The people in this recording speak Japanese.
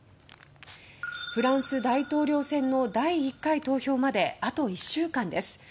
フランス大統領選の第１回投票まであと１週間です。